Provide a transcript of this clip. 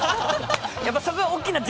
やっぱそこが大きな軸。